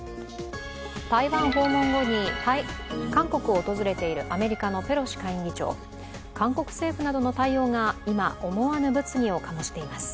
台湾訪問後に韓国を訪れているアメリカのペロシ下院議長韓国政府などの対応が今思わぬ物議を醸しています。